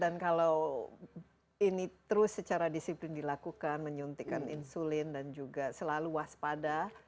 dan kalau ini terus secara disiplin dilakukan menyuntikkan insulin dan juga selalu waspada